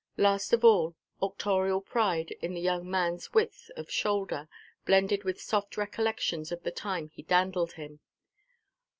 Last of all, auctorial pride in the young manʼs width of shoulder, blended with soft recollections of the time he dandled him.